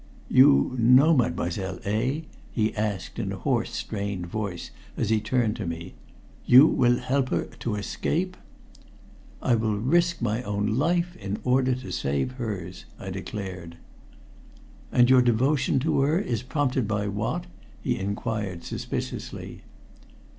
"You know Mademoiselle eh?" he asked in a hoarse, strained voice as he turned to me. "You will help her to escape?" "I will risk my own life in order to save hers," I declared. "And your devotion to her is prompted by what?" he inquired suspiciously.